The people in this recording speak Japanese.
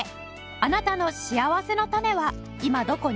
あなたのしあわせのたねは今どこに？